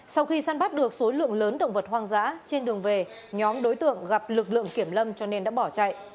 sau khi săn bắt được số lượng lớn động vật hoang dã trên đường về nhóm đối tượng gặp lực lượng kiểm lâm cho nên đã bỏ chạy